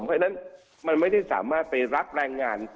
เพราะฉะนั้นมันไม่ได้สามารถไปรับแรงงาน